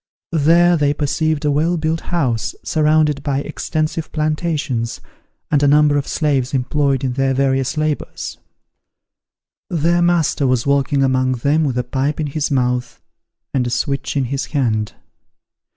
There they perceived a well built house, surrounded by extensive plantations, and a number of slaves employed in their various labours. Their master was walking among them with a pipe in his mouth, and a switch in his hand.